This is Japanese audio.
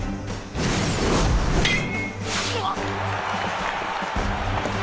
うわっ！